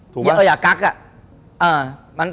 ถูกไหมเราอยากก๊าซ